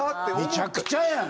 めちゃくちゃやん。